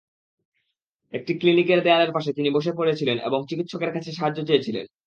একটি ক্লিনিকের দেয়ালের পাশে তিনি বসে পড়েছিলেন এবং চিকিৎসকের কাছে সাহায্য চেয়েছিলেন।